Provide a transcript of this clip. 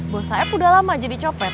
bosan ya udah lama jadi nyopet